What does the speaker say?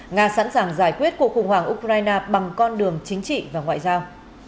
nga sẵn sàng giải quyết cuộc khủng hoảng ukraine bằng con đường chính trị và ngoại giao